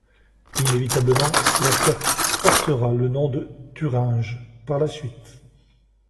Inévitablement, leur terre portera leur nom de Thuringe par la suite.